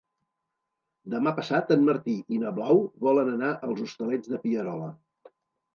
Demà passat en Martí i na Blau volen anar als Hostalets de Pierola.